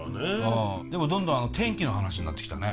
でもどんどん天気の話になってきたね。